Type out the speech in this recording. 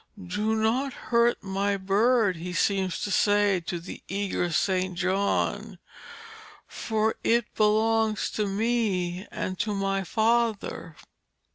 'Do not hurt My bird,' He seems to say to the eager St. John, 'for it belongs to Me and to My Father.'